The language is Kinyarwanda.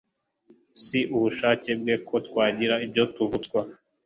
Si ubushake bwe ko twagira ibyo tuvutswa